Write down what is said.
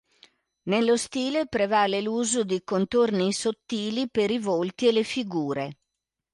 Nello stile prevale l'uso di contorni sottili per i volti e le figure.